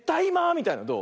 みたいのどう？